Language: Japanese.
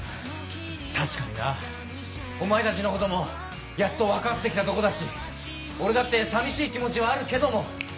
確かになお前たちのこともやっと分かって来たとこだし俺だって寂しい気持ちはあるけども。